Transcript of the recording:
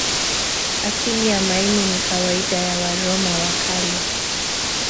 Asili ya maili ni kawaida ya Waroma wa Kale.